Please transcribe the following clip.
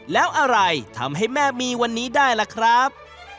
แล้วอะไรทำให้แม่มีวันนี้ได้ล่ะครับ